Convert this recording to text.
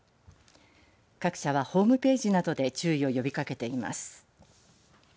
各社はホームページなどで注意を呼びかけています。